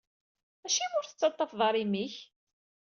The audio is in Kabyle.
Acimi ur tettaṭṭafeḍ ara imi-k?